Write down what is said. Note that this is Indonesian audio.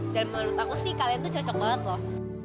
dan menurut aku sih kalian tuh cocok banget loh